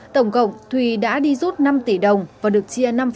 tổng cộng thùy đã đi rút năm tỷ đồng và được chia năm